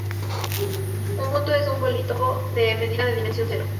Un punto es un politopo de medida de dimensión cero.